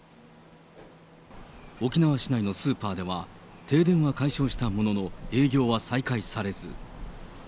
沖縄市内のスーパーでは、停電は解消したものの、営業は再開されず。